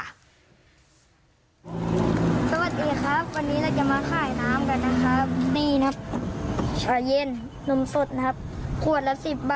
สวัสดีครับวันนี้เราจะมาค่ายน้ำกันนะครับ